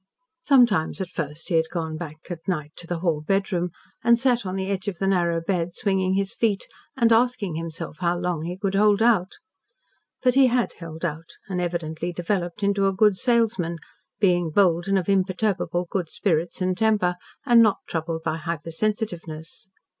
Sometimes at first he had gone back at night to the hall bedroom, and sat on the edge of the narrow bed, swinging his feet, and asking himself how long he could hold out. But he had held out, and evidently developed into a good salesman, being bold and of imperturbable good spirits and temper, and not troubled by hypersensitiveness.